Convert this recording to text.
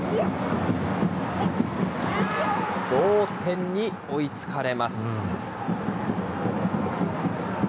同点に追いつかれます。